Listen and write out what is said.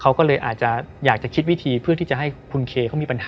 เขาก็เลยอาจจะอยากจะคิดวิธีเพื่อที่จะให้คุณเคเขามีปัญหา